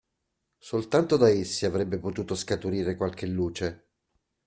Soltanto da essi avrebbe potuto scaturire qualche luce.